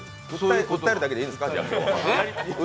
訴えるだけでいいんですか？